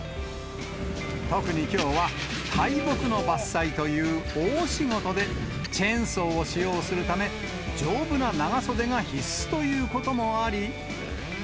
特にきょうは大木の伐採という大仕事で、チェーンソーを使用するため、丈夫な長袖が必須ということもあり。